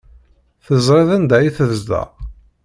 Teẓriḍ anda ay tezdeɣ?